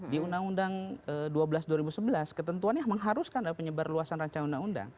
di ruu dua belas dua ribu sebelas ketentuannya memang harus kan ada penyebar luasan ruu